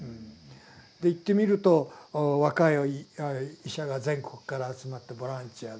で行ってみると若い医者が全国から集まってボランティアで。